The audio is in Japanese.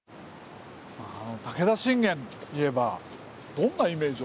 武田信玄といえばどんなイメージをお持ちですか？